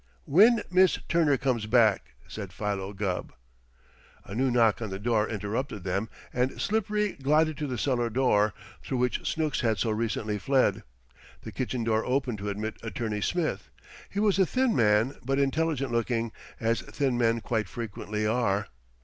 "When Miss Turner comes back!" said Philo Gubb. A new knock on the door interrupted them, and Slippery glided to the cellar door, through which Snooks had so recently fled. The kitchen door opened to admit Attorney Smith. He was a thin man, but intelligent looking, as thin men quite frequently are.